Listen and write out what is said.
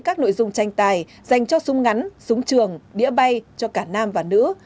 các nội dung tranh tài dành cho súng ngắn súng trường đĩa bay cho cả nam và nữ